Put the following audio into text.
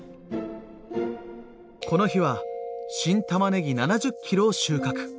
この日は新たまねぎ７０ｋｇを収穫。